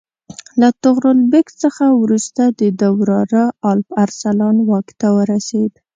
له طغرل بیګ څخه وروسته د ده وراره الپ ارسلان واک ته ورسېد.